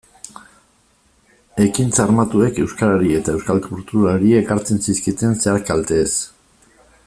Ekintza armatuek euskarari eta euskal kulturari ekartzen zizkieten zehar-kalteez.